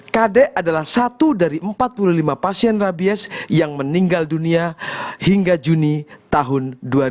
kadek adalah satu dari empat puluh lima pasien rabies yang meninggal dunia hingga juni tahun dua ribu dua puluh